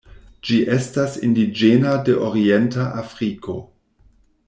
Ĝi estas indiĝena de orienta Afriko.